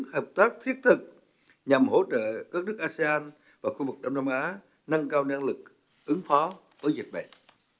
hợp tác thiết thực nhằm hỗ trợ các nước asean và khu vực đông nam á nâng cao năng lực ứng phó với dịch bệnh